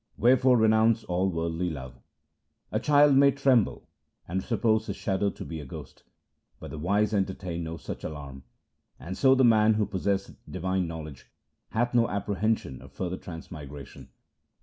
Wherefore renounce all worldly love. A child may tremble and suppose his shadow to be a ghost, but the wise entertain no such alarm. And so the man who possesseth divine knowledge hath no apprehension of further trans migration.'